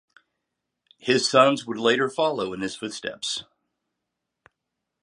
His sons would later follow in his footsteps.